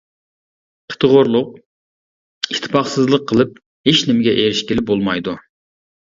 قىتىغۇرلۇق، ئىتتىپاقسىزلىق قىلىپ ھېچنېمىگە ئېرىشكىلى بولمايدۇ.